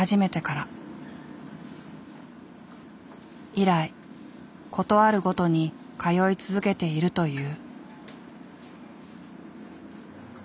以来ことあるごとに通い続けているという。